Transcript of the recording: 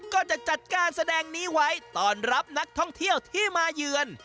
ก็จะจัดการแสดงนี้ไว้ต้อนรับนักท่องเที่ยวที่มาเยือน